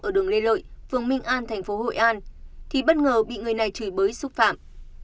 ở đường lê lợi phường minh an thành phố hội an thì bất ngờ bị người này chửi bới xúc phạm